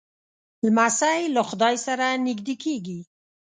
لمسی له خدای سره نږدې کېږي.